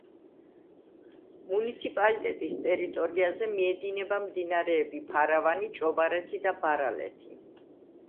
მუნიციპალიტეტის ტერიტორიაზე მიედინება მდინარეები ფარავანი, ჭობარეთი, ბარალეთი.